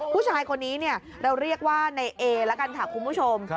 ผู้ชายคนนี้เราเรียกว่าในเอละกันค่ะคุณผู้ชม